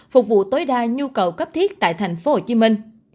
phục vụ tối đa nhu cầu cấp thiết tại thành phố hồ chí minh